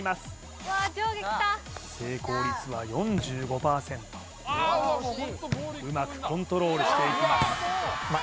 うわっ上下きた成功率は４５％うまくコントロールしていきます